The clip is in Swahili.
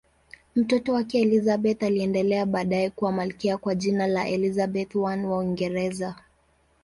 Mtoto wake Elizabeth aliendelea baadaye kuwa malkia kwa jina la Elizabeth I wa Uingereza.